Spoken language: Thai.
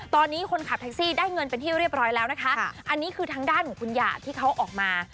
ตอนนี้คนขับแท็กซี่ได้เงินเป็นที่เรียบร้อยแล้วนะคะอันนี้คือทางด้านของคุณหยาดที่เขาออกมา